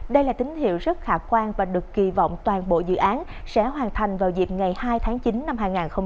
đây là tín hiệu rất khả quan và được kỳ vọng toàn bộ dự án sẽ hoàn thành vào dịp ngày hai tháng chín năm hai nghìn hai mươi